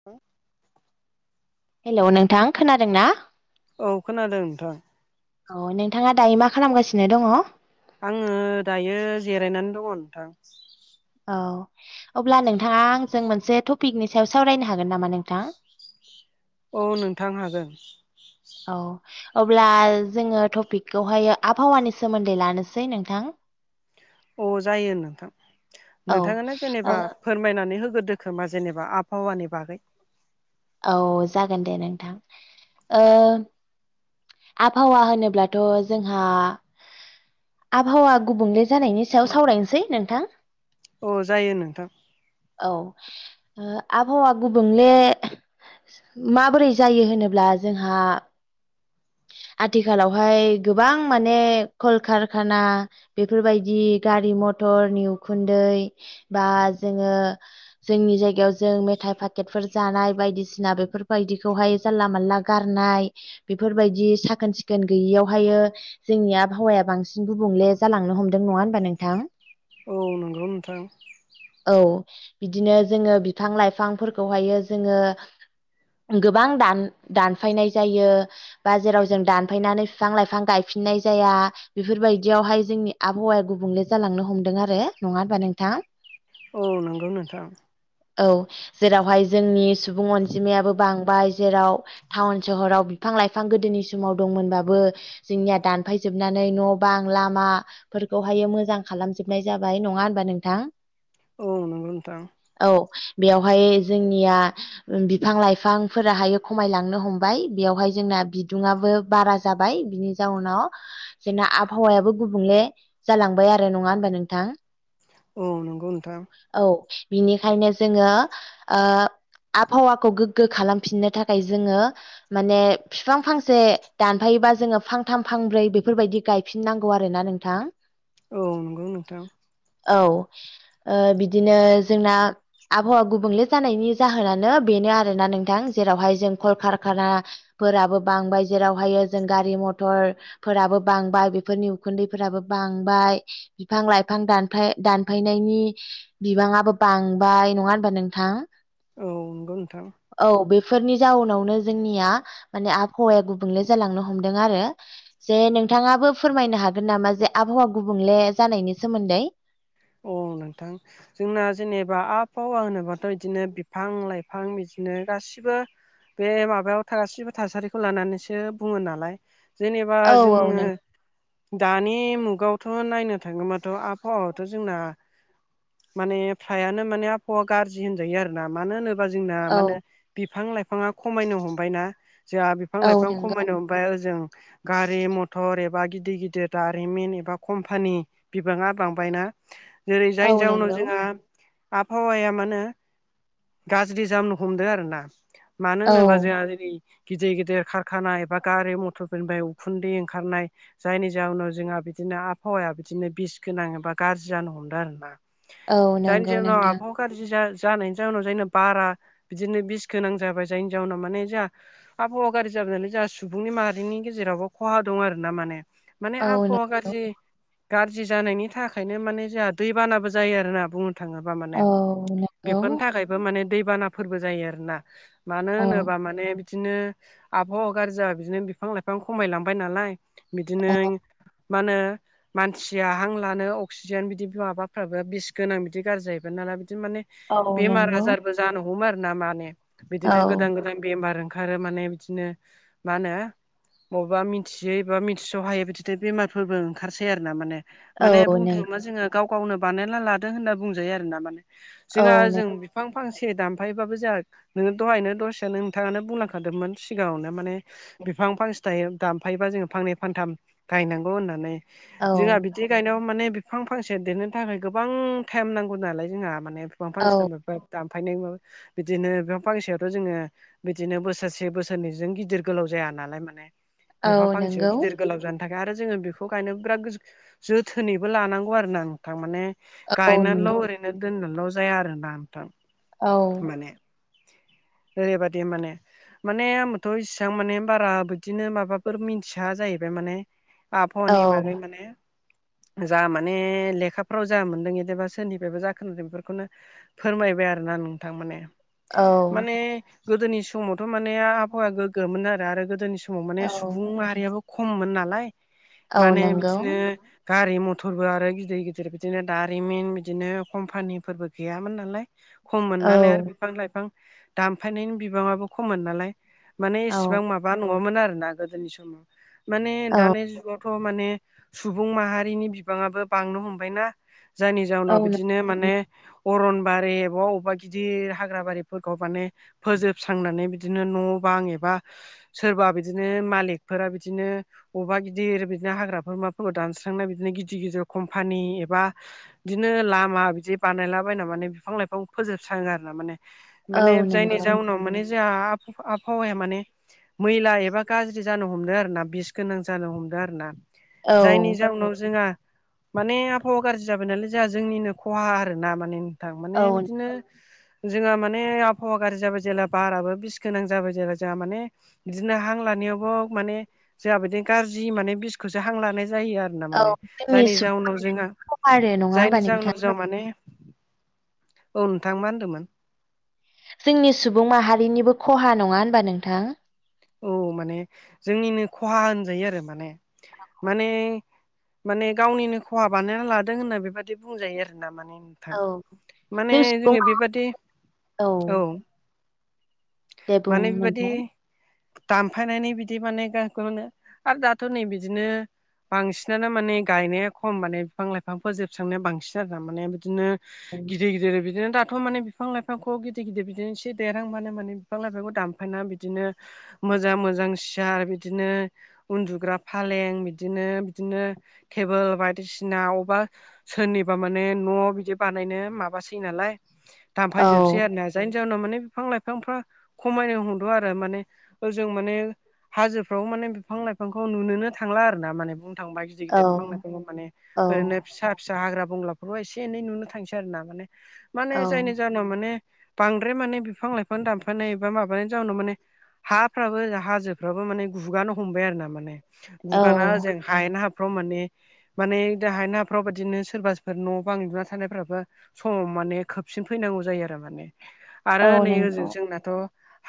[unintelligible] Hello नोंथां खोनादों ना। औ खोनादों नोंथां अह नोंथाङा दायो मा खालामगासिनो दङ। आङो दायो जेरायनानै दङ नोंथां। औ अब्ला नोंथाङा आंजों मोनसे टपिकनि सायाव सावरायनो हागोन नामा नोंथां औ नोंथां हागोन। औ। अब्ला जोङो टपिकखौहायो आबहावानि सोमोन्दै लानोसै नोंथां। अ जायो नोंथां औ नोंथाङा ओ जेनेबा। फोरमायनानै होगोरदो खोमा जेनेबा आबहावानि बागै। औ जागोन दे नोंथां ओ आबहावा होनोब्लाथ' जोंहा। आबहावा गुबुंले जानायनि सायाव सावरायनोसै नोंथां अ जायो नोंथां औ ओ आबहावा गुबुंले माबोरै जायो होनोब्ला जोंहा आथिखालावहाय गोबां माने कलकारखाना बेफोरबायदि गारि मथरनि उखुन्दै बा जोङो जोंनि जायगायाव जों मेथाइ फाकेटफोर जानाय बायदिसिना बेफोरबायदिखौहाय जानला मानला गारनाय बेफोरबायदि साखोन सिखोन गैयियावहायो जोंनि आबहावाया बांसिन गुबुंले जालांनो हमदों नङा होनबा नोंथां औ नोंगौ नोंथां औ बिदिनो जोङो बिफां लाइफांफोरखौहायो जोङो गोबां दान दानफायनाय जायो‌ बाजेराव जों दानफैनानै बिफां लाइफां गायफिननाय जाया बेफोरबायदियावहाय जोंनि आबहावाया गुबुंले जालांनो हमदों आरो नङा हबा नोंथां। औ नंगौ नोंथां औ जेरावहाय जोंनि सुबुं अनजिमायाबो बांबाय जेराव टाउन सहराव बिफां लाइ फां गोदोनि समाव दंमोनबाबो जोंनिया दानफायजोबनानै न' बां लामा फोरखौहायो मोजां खालामजोबनाय जाबाय नङा होनबा नोंथां। औ नंगौ नोंथां। औ बेवहाय जोंनिया ओ बिफां लाइफांफोराहायो खमायलांनो हमबाय बेवहाय जोंना बिदुङाबो बारा जाबाय बिनि जाउनाव जोंना आबहावायाबो गुबुंले जालांबाय आरो नङा होनबा नोंथां। औ नंगौ नोंथां। औ बिनिखायनो जोङो ओ आबहावाखौ गोग्गो खालामफिननो थाखाय जोङो माने बिफां फांसे दानफायोबा जोङो फांथाम फांब्रै बेफोरबायदि गायफिननांगौ आरो ना नोंथां। औ नंगौ नोंथां औ ओ बिदिनो जोंना आबहावा गुबुंले जानायनि जाहोनानो बेनो आरोना नोंथां जेरावहाय जों कलकारखाना फोराबो बांबाय जेरावहायो जों गारि मथर फोराबो बांबाय बेफोरनि उखुन्दैफोराबो बांबाय बिफां लाइफां दानफाय दानफायनायनि बिबाङाबो बांबाय नङा होनबा नोंथां। औ नंगौ नोंथां। औ बेफोरनि जाउनावनो जोंनिया माने आबहावाया गुबुंले जालांनो हमदों आरो जे नोंथाङाबो फोरमायनो हागोन नामा जे आबहावा गुबुंले जानायनि सोमोन्दै। औ नोंथां। जोंना जेनेबा आबहावा होनोबाथ' बिदिनो बिफां लाइफां बिदिनो गासिबो बे माबायाव गाससिबो थासारिखौ लानानैसो बुङो नालाय जेनेबा औ औ जोङो नों दानि मुगायावथ' नायनो थाङोबाथ' आबहावा जोंना माने फ्रायानो मान आबहावा गाज्रि होनजायो आरोना मानो होनोबा जोंना मा होनो औ बिफां लाइफांङा खमायनो हमबायना जोंहा बिफां औ लाइफां नोंगौ खमायनो ओमफ्राय ओजों गारि मथर एबा गिदिर गिदिर दारिमिन एबा कम्पानि बिबाङा बांबायना जेरै जायनि औ जाउनाव नंगौ जोंहा आबहावाया मानोे गाज्रि जामनो हमदों आरो ना मानो औ होनोबा जोंहा जेरै गिदिर गिदिर खारखानानाय एबा गारि मथरफोरनिफ्राय उखुन्दै ओंखारनाय जायनि जाहनाव जोंहा बिदिनो आबहावाया बिदिनो बिसगोनां एबा गाज्रि जानो हमदों आरोना औ जायनि नंगौ जोंनाव नोंथां आबहा गाज्रि जा जानायनि जाउनाव जायना बारा बिदिनो बिस गोनां जाबाय जायनि जाउनाव माने जाहा आबहावा गारि जाबोनानै जोंहा सुबुंनि माहारिनि गेजेरावबो खहा दं आर ना माने माने औ आबहावा नंगौ गाज्रि गाज्रि जानायनि थाखायनो माने जोंहा दैबानाबो जायो आरा बुं थाङोबा माने औ नंगौ बेफोरनि थाखायबो माने दैबानाफोरबो जायो आरोना मानो औ होनोबा माने बिदिनो आबहावा गाज्रि जाबा बिदिनो बिफां लाइफां खमायलांबाय नालाय बिदिनै औ मा नो मानसिया हां लानो अ अक्सिजेन बिदि माबाफ्राबो बिस गोनां बिदि गाज्रि जाहैबाय नालाय बिदि माने औ बेमार नंगौ आजार जानो हमो आरो ना माने औ बिदिनो गोदान गोदान बेमार ओं आरो माने बिदिनो मा होनो मबबा मिथियै बा मिथिस' हायै बिदिथो बेमारफोरबो ओंखारसै आरो ना माने। औ माने बुंनो नों थाङोबा जोङो गाव गावनो बानायना लादों होनना बुंजायो आरो ना माने। औ जोंहा नों ओजों बिब फां फांसे दामफायोबाबो जोंहा नोङो दहायनो दसेनो नोंथाङानो बुंलांखादोंमोन सिगाङावनो माने बिफां फांसे थायो दानफायोबा जोङो फांनै फानथाम गायनांगौ होननानै जोंहा बि दि गायनायाव माने बिफां फांसे देरनो थाखाय गोबां टाइम नांगौ नालाय जोंहा माने बिफां औ फांसे दामफ दामफायनाय माबा बिदिनो बिफां फांसेयावथ' जोङो बिदिनो बोसोरसे बोसोरनैजों गिदिर गोलाव जाया नालाय माने बेफां औ फांसेयाव नंगौ गिदिर गोलाव जानो थाखाय आरो जोङो बिखौ गायनो बिराद गोजो जोथोनै बो लानांगौ आरो ना नोंथां माने औ नों गायहेनानैल' ओरैनो दोननानैल' जाया आरोना नोंथां। औ माने ओरैबादि माने माने आंबोथ' इसिबां माने बारा बिदिनो माबाफोर मिथिया जाहैबाय माने आबहावानि बागै माने जा माने लेखाफ्राव जा मोन्दों एदिबा सोरनिफ्रायबो जा खोनादों बेफोरखौनो फोरमायबाय आरोना नोंथां माने औ माने गोदोनि समावथ' माने आबहावाया गोग्गोमोन आरो आरो गोदोनि स समाव माने सुबुं माहारियाबो खममोन नालाय औ माने नंगौ बिदिनो गारि मथ थरबो आरो गिदिर गिदिर बिदिनो दारिमिन बिदिनो कम्पानिफोरबो गैयामोन नालाय। खममोन औ नालाय आरो बिफां लाइफां दानफायनायनि बिबाङाबो खममोन नालाय। माने औ इसेबां माबा नङामोन आरोना गोदोनि समाव माने औ दानि जुगाव थ' माने सुबुं माहारिनि बिबाङाबो बांनो हमबायना। जायनि औ जाउनाव नं- बिदिनो माने अरनबारि अबावबा अबावबा गिदिर हाग्रा बारिफोरखौ माने फोजोबस्रांनानै बिदिनो न' बां एबा सोरबा बिदिनो मालिकफोरा बिदिनो अबेबा गिदिर बिदिनो हाग्राफोर माफोरखौ दानस्रांनाय बिदिनो गिदिर गिदिर कम्पानि एबा बिदिनो लामा बिदि बानायलाबायना माने बिफां लाइफां फोजोबस्राङो आरो ना माने औ माने जायनि नंगौ जाउनाव माने जोंहा आब-आबहावाया माने मैला एबा गाज्रि जानो हमदों आरो ना बिस गोनां जानो हमदों आरो ना। औ जायनि जाउनाव जोंहा माने आबहावा गाज्रि जाबाय नालाय जोंहा जोंनिनो खहा आरो ना माने नोंथां माने औ बिदिनो जोंहा माने आबहावा गाज्रि जाबाय जेला बाराबो बिस गोनां जाबाय जेब्ला जोंहा माने बिदिनो हां लानायावबो माने जोंहा बिदिनो गाज्रि माने बिसखौसो हां लानाय जायो आ ना औ माने जोंनि जायनि सुबुं जाउनाव जोंहा खहा आरो नङा होनबा जायनि जाहोनाव नोंथां जोंहा माने औ नोंथां मा होनदोमोन जोंनि सुबुं माहारिनिबो खहा नङा होनबा नोंथां। औ माने जोंनिनो खहा होनजायो आरो माने औ माने माने गावनिनो खहा बानायना लादों होनना बेबाददि बुंजायो आरो ना माने माने जों सुबुं जोङो बेबादि औ दे बुं नोंथां। दानफायनानै बिदि माने गखौनो आरो दाथ' नै बिदिनो बांसिनानो माने गायनाया खम माने बिफां लाइफांफोर जोबस्रांनाया बांसिन आरो माने बिदिनो औ गिदिर गिदिर बिदिनो दाथ' माने बिफां लाइफांखौ गिदिर गिदिर बिदिनो एसे देरहां मानो माने बिफां लाइफांखौ दानफायना बिदिनो मोजां मोजां सियार बिदिनो उन्दुग्रा फालें बिदिनो बिदिनो टेबोल बायदिसिना अबा सोरनिबा माने न' बिदि बानायनो माबासै नालाय औ दामफायजोबसै आरोना जायनि जाहनाव माने बिफां लाइफांफ्रा खमायनो हमदो आरो माने जों माने हाजोफ्राव माने बिफां लाइफांखौ नुनोनो थांला आर ना माने बुंनो थांबा गिदिर बिफां लाइफां औ माने औ ओरैनो फिसा फिसा हाग्रा बंग्राफ्राव एसे एनै नुनो थांसै आरो ना माने औ माने जायनि ज माने बांद्राय माने बिफां लाइफां दानफानाय बा माबानाय जाउनाव माने हाफ्राबो हाजोफ्राबो माने गुगानो हमबाय आरो ना माने गुगाना औ ओजों हायनो हाबफ्रोम माने माने दाहाय न हाफ्राव बिाददिनो सोरबाफोर न' बां लना थानायानायफ्राबो समाव माने खोबसिन फैनांगौ जायो आरो माने। आरो औ नै ओजों नंगौ जोंनाथ'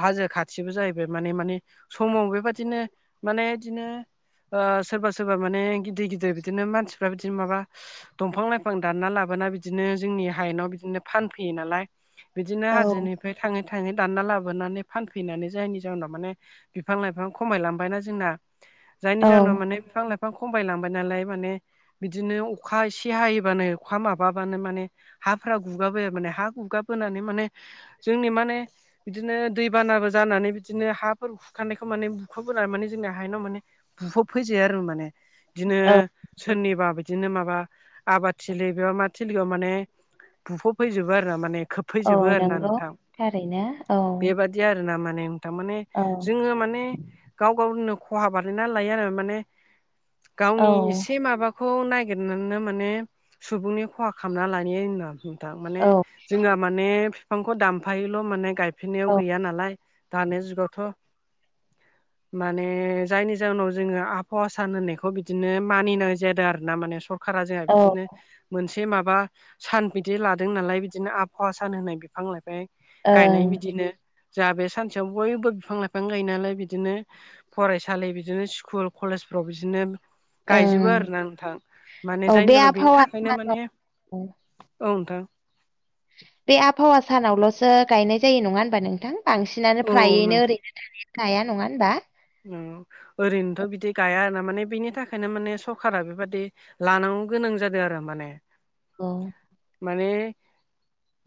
हाजो खाथिबो जाहैबाय माने माने समाव बेबाददिनो माने बिदिनो ओ सोरबा सोरबा माने गिदिर गिदिर बिदिनो मानसिफ्रा बिदिनो माबा दंफां लाइफां दानना लाबोना बिदिनो जोंनि हायेनाव बिदिनो फानफैयो नालाय बिदिनो औ हाजोनिफ्राय थाङै थाङै दानना लाबोनानै फानफैनानै जायनि जोंनाव माने बिफां लाइफां खमायलांबायनाा जोंना जायनि औ जाहनाव मान बिफां लाइ बिफां खमाय लांबाय नालाय माने बिदिनो अखा एसे हायोबानो अखा माबाबानो माने हाफोरा गुगाबोाय माने हा गुगाबोनानै माने जोंनि माने बिदिनो दैबानाबो जानानै बिदिनो हाफोर हुखानायखौ माने बुखाबबोनानै माने जोंनि हायेनाव माने बुहब फैजायो आरो माने बिदिनो औ सोरनिबा बिदिनो माबा आबादथिलि बे मा थिलियाव माने बुफबफैजोबो आरो ना माने औ खोबफैजोबो आरो ना नंगौ नोंथां थारैनो औ बेबादि बिदि आर ना माने थारमाने औ जोङो माने गाव गावनो खहा बानायना लायो आरो माने औ गावनि एसे माबाखौ खौ ननायागिरनानैनो माने सुबुंनि खहा खालामना लानाय [unintelligible] थ माने औ जोंहा माने बिफांखौ दामफायोल' माने गायफेरनायाव औ गैया नालाय दानि जुगावथ' [inaudible] माने जायनि जाहोनाव जोङो आबहाव सान होननायखौ बिदिनो मानिनाय जादों आर ना माने स खारा जोंहा ओं बिदिनो मोनसे माबा सान बिदि लादों नालाय बिदिनो आबहावा सान होनाय बिफां लाइफां गायनाय ओं बिदिनो जोंहा बे सानसेयाव बयबो बिफां लाइफां गायो नालाय बिदिनो फरायसालि बिदिनो स्कुल कलेजफ्राव बिदिनो गायजोबो आरोना नोंथां माने औ बे जायनि जनाव बेनि आबहावा थाखायनो सानाव माने औ नोंथां। बे आबहावा सानावल'सो गायनाय जायो नङा होनबा नोंथां बांसिनानो औ फ्रायैनो ओरैनो गाया नङा होनबा। ओ ओरैनोथ' बिदि गाया आरोना माने बिनि थाखायनो माने सरखारा बेबादि लानांगौ गोनां जादों आरो माने। औ माने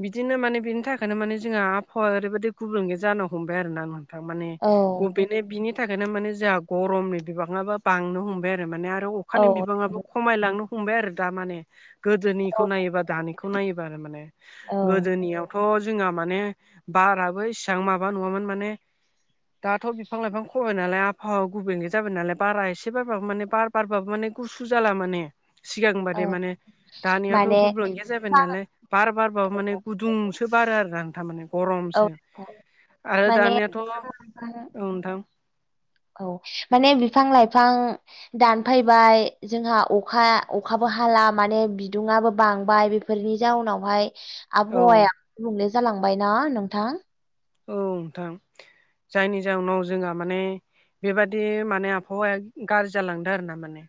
बिदिनो माने बिनि थाखायनो माने जोंहा आबहावा ओरैबायाददि गुबुंगे जानो हमबाय आरो ना। थां माने औ [unintelligible] बिनि बिनि थाखायनो माने जोंहा गरमनि बिबाङाबो बांनो हमबाय आरो माने आरो औ अखानि बिबाङाबो खमायलांनो हमबाय आरो दा माने गोदोनिखौ औ नायोबा दानिखौ नायोबा आरो माने औ गोदोनियावथ' थ जोंहा माने बाराबो इसिबां माबा नङामोन माने दाथ' बिफां लाइफां खबाय नालाय आबहावा गुबैगे जाबाय नालाय बारा एसे बारबाबो माने बार बारबाबो माने गुसु जाला माने सिगांबारे औ माने दानियाथ' माने गुबलुन गैया जाबाय बिफां नालाय बार बारबाबो माने गुदुंसो बारो आरो आं थारमाने औ गरमसो आरो माने दानियाथ' औ नथां औ माने बिफां लाइफां दानफैबाय जोंहा अखा अखाबो हाला माने बिदुुंआो बांबाय बेफोरनि जाउनावहाय औ आबहावाया गुबुंले जालांबाय ना नोंथां? औ नोंथां जायनि जाहनाव जोंहा माने बेबादि माने आबहावाया गाज्रि जालांदों आरो ना माने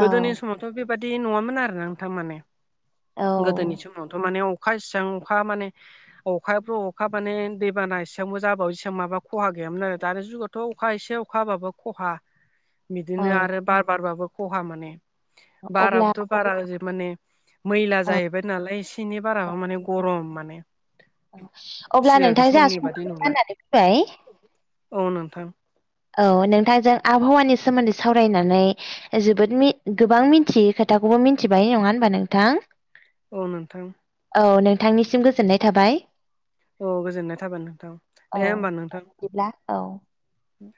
गोदोनि औ समावथ' बेबादि नङामोन आरो ना नोंथांमाने औ गोदोनि समावथ' माने अखा इबां अखा माने अखााब अखा माने हबाना एसेबांबो जाबावो इसेबां माबा खहा गैयामोन आरो दानि जुगावथ' अखा एसे अखा हाबाबो खहा औ बिदिनो आरो बार बारबाबो खहा माने अब्ला बाराबोथ' बारा ज माने मैला औ जाहैबाय नालाय एसे एनै बाराबो माने गरम माने अब्ला सिगां नोंथां जोंहा समनि बादि समाबो नंला जानानै फैबाय औ नोंथां। औ नोंथांजों आबहावानि सोमोन्दै सावरायनानै जोबोद गोबां मिथियो खोथाखौबो मिथिबाय नङा होनबा नोंथां। औ नोंथां। औ नोंथांनिसिम गोजोननाय थाबाय। औ गोजोननाय थाबाय नोंथां औ दे होमबा नोंथां। बिदिब्ला औ द